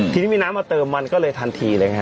ทีนี้มีน้ำมาเติมมันก็เลยทันทีเลยไงฮ